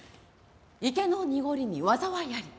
「池の濁りに禍あり」。